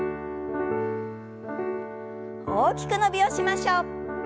大きく伸びをしましょう。